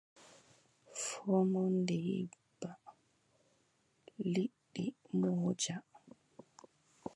Foomoonde yibba, liɗɗi mbooja.